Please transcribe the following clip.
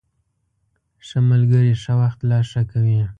ښه ملګري ښه وخت لا ښه کوي.